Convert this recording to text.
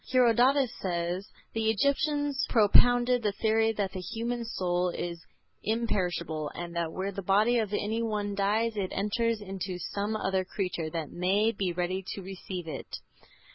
Herodotus says: "The Egyptians propounded the theory that the human soul is imperishable, and that where the body of any one dies it enters into some other creature that may be ready to receive it."